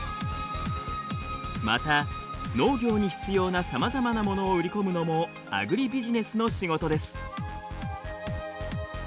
また農業に必要なさまざまなものを売り込むのもアグリビジネスの仕事です。